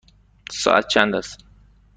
ساعت چند است؟